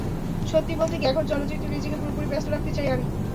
সত্যি বলতে কি, এখন চলচ্চিত্রে নিজেকে পুরোপুরি ব্যস্ত রাখতে চাই আমি।